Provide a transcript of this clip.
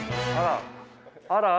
あら！